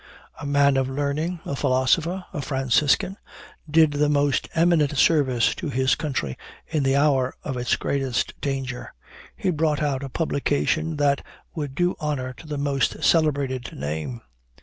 A man of learning a philosopher a Franciscan did the most eminent service to his country in the hour of its greatest danger. He brought out a publication that would do honor to the most celebrated name.